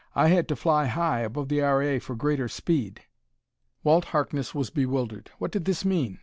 "I had to fly high, above the R. A. for greater speed." Walt Harkness was bewildered. What did this mean?